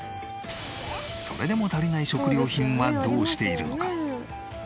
それでも足りない食料品はどうしているのか？